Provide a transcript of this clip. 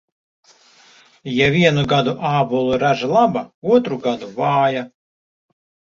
Ja vienu gadu ābolu raža laba, otru gadu vāja.